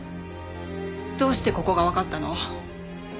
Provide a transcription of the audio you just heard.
どうしてここがわかったの？